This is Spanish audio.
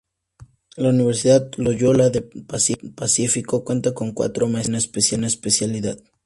La Universidad Loyola del Pacífico cuenta con cuatro maestrías y una especialidad.